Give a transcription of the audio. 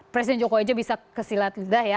presiden joko widjo bisa kesilat lidah ya